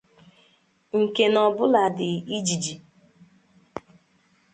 nke na ọbụladị ijiji